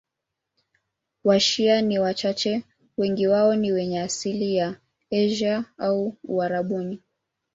Washia ni wachache, wengi wao ni wenye asili ya Asia au Uarabuni.